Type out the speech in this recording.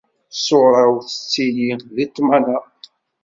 Ṣṣura-w tettili di ṭṭmana.